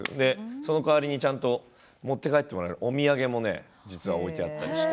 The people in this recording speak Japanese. その代わりに、ちゃんと持って帰ってもらえるお土産も実は置いてあったりして。